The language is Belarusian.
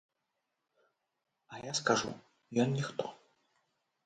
А я скажу, ён ніхто.